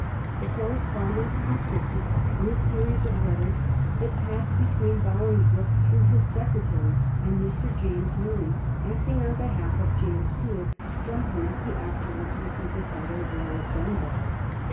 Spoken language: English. The correspondence consisted in a series of letters that passed between Bolingbroke, through his secretary, and Mr. James Murray, acting on behalf of James Stuart, from whom he afterwards received the title of Earl of Dunbar.